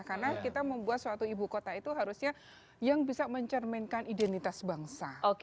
karena kita membuat suatu ibu kota itu harusnya yang bisa mencerminkan identitas bangsa